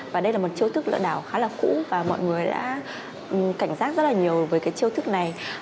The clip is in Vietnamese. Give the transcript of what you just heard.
và đây là một chiêu thức lừa đảo khá là cũ và mọi người đã cảnh giác rất là nhiều với cái chiêu thức này